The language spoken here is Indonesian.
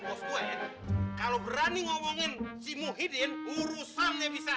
bos gue kalau berani ngomongin si muhyiddin urusan bisa